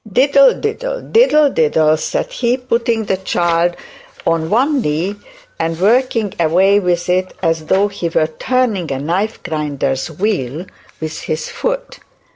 'Diddle, diddle, diddle, diddle,' said he, putting the child on one knee, and working away with it as though he were turning a knife grinder's wheel with his foot.